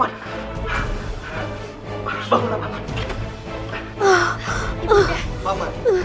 bangun lah maman